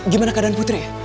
gimana keadaan putri